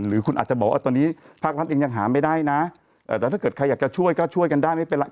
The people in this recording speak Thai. หรือคุณอาจจะบอกว่าตอนนี้ภาครัฐเองยังหาไม่ได้นะแต่ถ้าเกิดใครอยากจะช่วยก็ช่วยกันได้ไม่เป็นไร